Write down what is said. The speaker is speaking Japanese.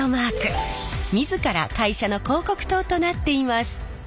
自ら会社の広告塔となっています。